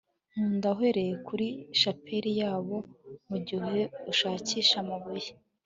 nkunda, uhereye kuri shapeli yabo mugihe ushakisha amabuye